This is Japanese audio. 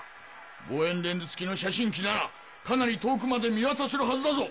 望遠レンズ付きの写真機ならかなり遠くまで見渡せるハズだぞ！